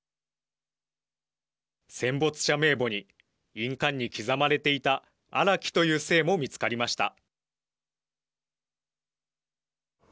戦没者名簿に印鑑に刻まれていた荒木という姓も見つかりました。